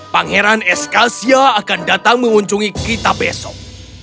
pangeran eskasia akan datang mengunjungi kita besok